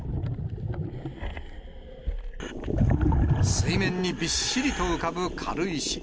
水面にびっしりと浮かぶ軽石。